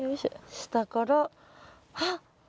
下からあっ！